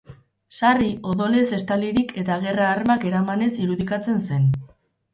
Sarri, odolez estalirik eta gerra armak eramanez irudikatzen zen.